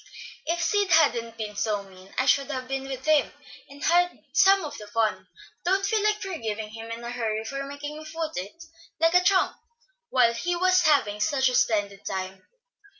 "If Sid hadn't been so mean, I should have been with him, and had some of the fun. I don't feel like forgiving him in a hurry for making me foot it, like a tramp, while he is having such a splendid time."